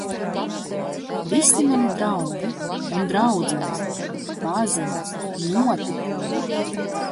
Visi mani draugi un draudzenes... paziņas... notikumi...